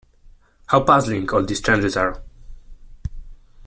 How puzzling all these changes are!